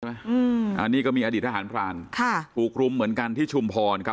อันนี้ก็มีอดีตทหารพรานค่ะถูกรุมเหมือนกันที่ชุมพรครับ